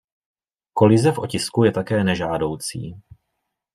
Kolize v otisku je také nežádoucí.